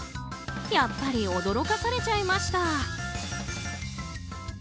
やっぱり驚かされちゃいました。